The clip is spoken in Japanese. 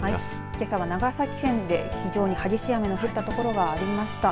けさは長崎県で非常に激しい雨の降った所がありました。